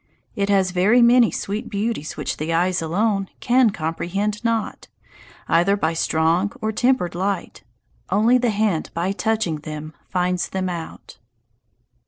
It has very many sweet beauties which the eyes alone can comprehend not, either by strong or tempered light; only the hand by touching them finds them out."